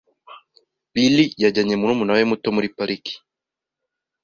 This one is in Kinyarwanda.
Bill yajyanye murumuna we muto muri pariki.